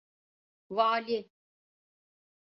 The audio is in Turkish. Vali…